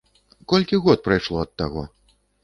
Колькі год прайшло ад таго?